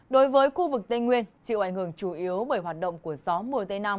đối với khu vực tây nguyên chịu ảnh hưởng chủ yếu bởi hoạt động của gió mùa tây nam